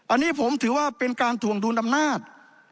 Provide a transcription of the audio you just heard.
อันนี้ผมถือว่าเป็นการถวงดุลอำนาจ